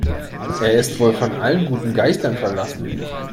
Er ist wohl von allen guten Geistern verlassen.